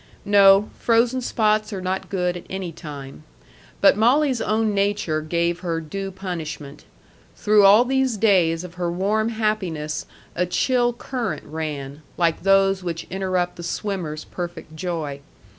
No; frozen spots are not good at any time. But Molly's own nature gave her due punishment. Through all these days of her warm happiness a chill current ran, like those which interrupt the swimmer's perfect joy.